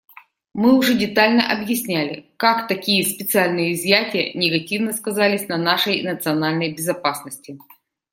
Мы уже детально объясняли, как такие специальные изъятия негативно сказались на нашей национальной безопасности.